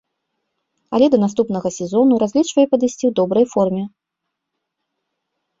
Але да наступнага сезону разлічвае падысці ў добрай форме.